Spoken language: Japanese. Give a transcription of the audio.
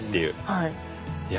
はい。